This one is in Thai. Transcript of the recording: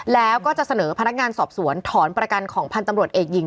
แล้วก็จะเสนอพนักงานสอบสวนถอนประกันของพันธ์ตำรวจเอกหญิง